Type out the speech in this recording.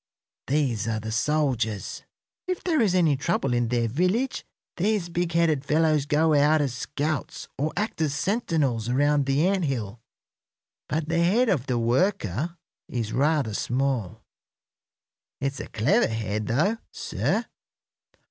These are the soldiers. If there is any trouble in their village these big headed fellows go out as scouts or act as sentinels around the ant hill. But the head of the worker is rather small. It's a clever head, though, sir.